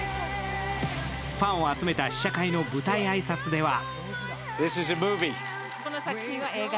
ファンを集めた試写会の舞台挨拶では。